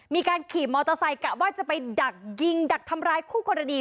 มีการขี่มอเตอร์ไซค์กะว่าจะไปดักยิงดักทำร้ายคู่กรณี